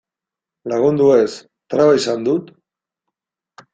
Lagundu ez, traba izan dut?